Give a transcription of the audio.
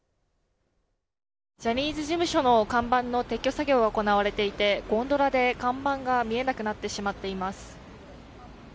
ジャニーズ事務所の看板の撤去作業が行われていてゴンドラで看板が見えなくなってしまっています。